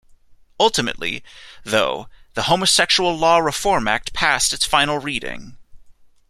Ultimately, though, the Homosexual Law Reform Act passed its final reading.